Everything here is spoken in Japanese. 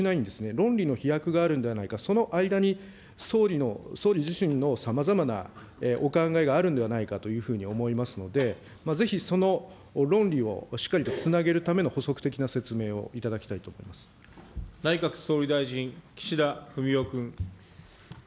論理の飛躍があるんではないか、その間に総理の、総理自身のさまざまなお考えがあるんではないかというふうに思いますので、ぜひ、その論理をしっかりとつなげるための補足的な説明をいただきたい内閣総理大臣、岸田文雄君。